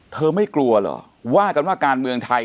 ไม่กลัวเหรอว่ากันว่าการเมืองไทย